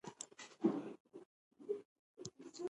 افغانستان کې پابندی غرونه د خلکو د خوښې وړ ځای دی.